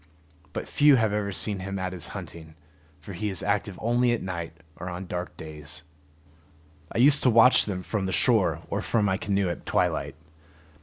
But few have ever seen him at his hunting, for he is active only at night or on dark days. I used to watch them from the shore or from my canoe at twilight.